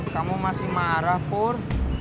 kamu masih marah pur